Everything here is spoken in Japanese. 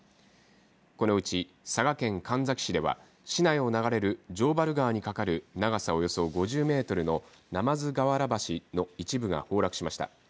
このうち佐賀県神埼市では市内を流れる城原川に架かる長さおよそ５０ｍの鯰河原橋の一部が崩落しました。